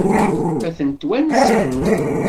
Ad tent-wansent?